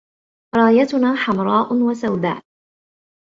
رايتنا حمراء و سوداء.